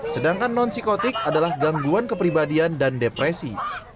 sedangkan non psikotik adalah gangguan kepribadian dan depresi